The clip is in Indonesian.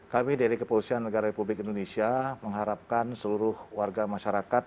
kami dari kepolisian negara republik indonesia mengharapkan seluruh warga masyarakat